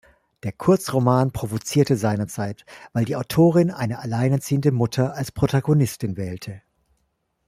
Der Kurzroman provozierte seinerzeit, weil die Autorin eine alleinerziehende Mutter als Protagonistin wählte.